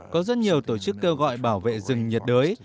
có rất nhiều tổ chức kêu gọi bảo vệ rừng nhiệt đới